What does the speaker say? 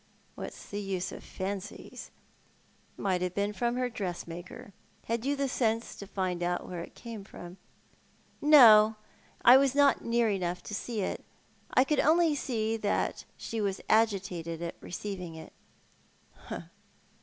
" What's the use of fancies ? It may have been from her dressmaker. Had you the sense to find out where it came from?" " No, I was not near enough to see that. I could only see that she was agitated at receiving it."